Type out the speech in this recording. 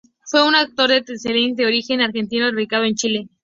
Fue un autor de teleseries de origen argentino radicado en Chile...